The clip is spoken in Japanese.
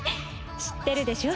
知ってるでしょ？